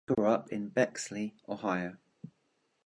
He grew up in Bexley, Ohio.